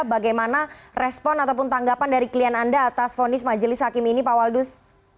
bagaimana respon ataupun tanggapan dari klien anda atas fonis majelis hakim ini pak waldus